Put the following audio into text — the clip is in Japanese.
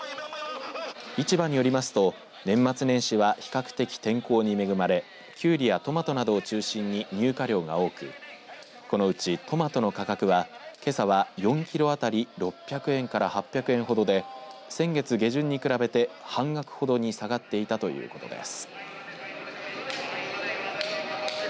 市場によりますと年末年始は比較的、天候に恵まれきゅうりやトマトなどを中心に入荷量が多くこのうち、トマトの価格はけさは４キロ当たり６００円から８００円ほどで先月下旬に比べて半額ほどに下がっていたということです。